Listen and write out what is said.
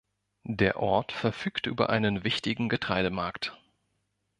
Der Ort verfügt über einen wichtigen Getreidemarkt.